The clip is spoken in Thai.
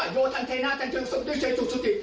อ่ยโยทันเทเนาะทันเตือนสุรสุขสุทิศ